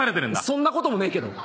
そんなこともねえけど。